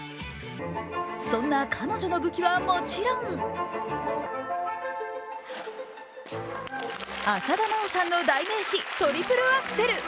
そんな彼女の武器はもちろん浅田真央さんの代名詞トリプルアクセル。